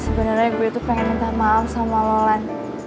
sebenernya gue tuh pengen minta maaf sama lolan